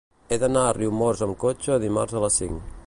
He d'anar a Riumors amb cotxe dimarts a les cinc.